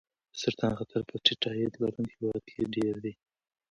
د سرطان خطر په ټیټ عاید لرونکو هېوادونو کې ډېر دی.